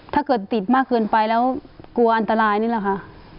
ถ้าเกิดติดมากเกินไปแล้วกลัวอันตรายนี่แหละค่ะ